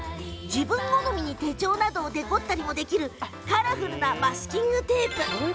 自分好みに手帳などをデコったりもできるカラフルなマスキングテ―プ。